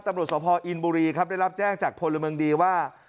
ช้าปรวจสวทธิ์ภอร์อินบุรีครับได้รับแจ้งจากพลเมืองดีว่า